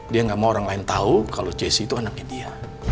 dia nggak mau orang lain tahu kalau jessi itu anaknya dia